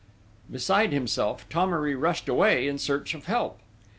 Beside himself, Thomery rushed away in search of help.